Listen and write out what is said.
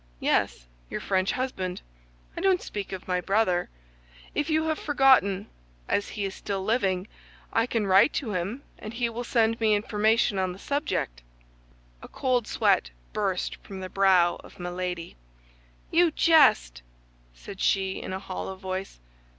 "Yes, your French husband. I don't speak of my brother. If you have forgotten, as he is still living, I can write to him and he will send me information on the subject." A cold sweat burst from the brow of Milady. "You jest!" said she, in a hollow voice.